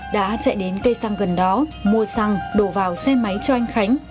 đã chạy đến cây xăng gần đó mua xăng đổ vào xe máy cho anh khánh